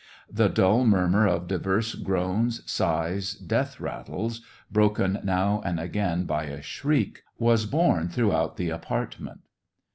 The dull murmur of diverse groans, sighs, death rattles, broken now and again by a shriek, was borne throughout the apartment.